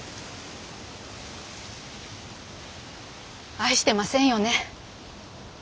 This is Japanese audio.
愛してませんよね。